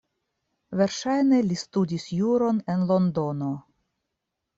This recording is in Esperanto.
Verŝajne li studis juron en Londono.